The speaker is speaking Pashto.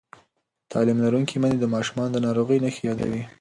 تعلیم لرونکې میندې د ماشومانو د ناروغۍ نښې یادوي.